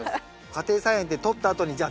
家庭菜園でとったあとにじゃあ